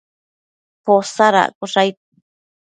Posadaccosh aid